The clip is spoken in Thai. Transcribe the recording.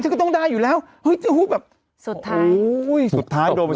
โกธแดดกว่าไม่ได้๐๓๐